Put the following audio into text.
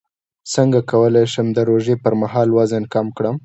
څنګه کولی شم د روژې پر مهال وزن کم کړم